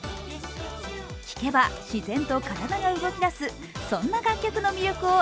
聴けば、自然と体が動きだす、そんな楽曲の魅力を